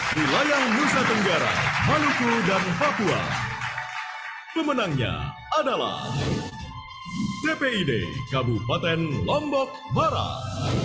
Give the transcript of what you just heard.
wilayah nusa tenggara maluku dan papua pemenangnya adalah tpid kabupaten lombok barat